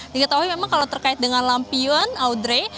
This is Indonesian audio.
jadi kalau terkait dengan lampion audrey